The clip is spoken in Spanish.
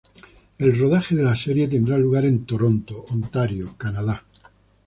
El rodaje de la serie tendrá lugar en Toronto, Ontario, Canadá.